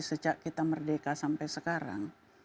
sejak kita merdeka sampai sekarang